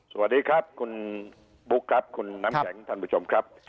สวัสดีครับคุณบุ๊คครับคุณน้ำแข็งท่านผู้ชมครับ